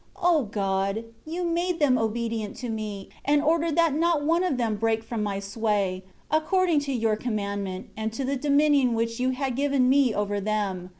9 O God, You made them obedient to me, and ordered that not one of them break from my sway, according to Your commandment, and to the dominion which You had given me over them.